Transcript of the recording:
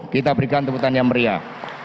kita berikan teputan yang meriah